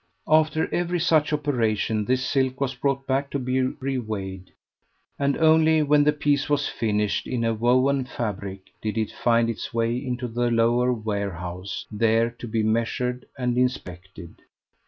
After every such operation this silk was brought back to be reweighed, and only when the piece was finished in a woven fabric did it find its way into the lower warehouse, there to be measured and inspected.